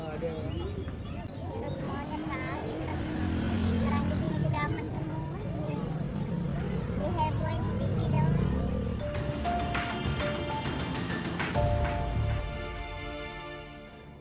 kita punya monyet di sini